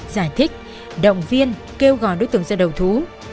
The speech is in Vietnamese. giải thích động viên kêu gọi đối tượng ra đầu thú